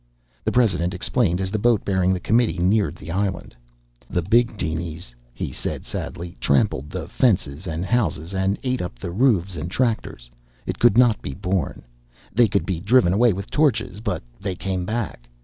The president explained as the boat bearing the committee neared the island. "The big dinies," he said sadly, "trampled the fences and houses and ate up the roofs and tractors. It could not be borne. They could be driven away with torches, but they came back.